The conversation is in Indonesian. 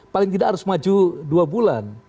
paling tidak harus maju dua bulan